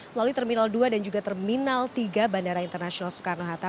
melalui terminal dua dan juga terminal tiga bandara internasional soekarno hatta